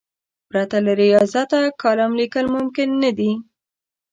پرته له ریاضته کالم لیکل ممکن نه دي.